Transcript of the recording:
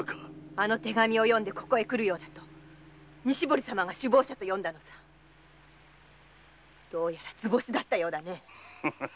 あの手紙を読んでここへ来るなら西堀様が首謀者と読んだのはどうやら図星のようだね。